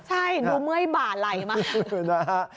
ใช่ดูเมื่อยบ่าไหลมากนะฮะ